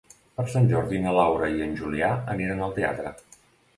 Per Sant Jordi na Laura i en Julià aniran al teatre.